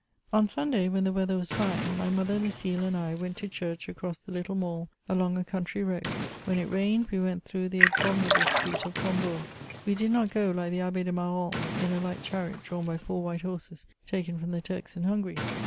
On Sunday, when the weather was fine, my mother, Lucile and I went to church acrosd the little mall, along a country road ; when it rained, we went through the abominable street of Combourg. We did not go, like the Abb^ de MaroUes, in a light chariot drawn by four white horses taken from the Turks in Hungary.